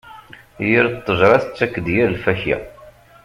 Yir ttejṛa tettak-d yir lfakya.